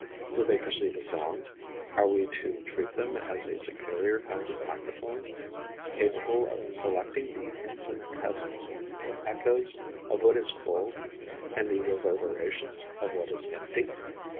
Do they perceive a sound? Are we to treat them as a superior kind of microphone, capable of collecting the infinitesimal echoes of what is full and the reverberations of what is empty?